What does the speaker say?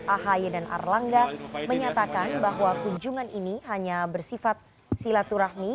ahi dan erlangga menyatakan bahwa kunjungan ini hanya bersifat silaturahmi